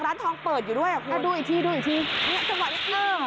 ร้านทองเปิดอยู่ด้วยแล้วดูอีกทีดูอีกทีเนี้ยจังหวะแรก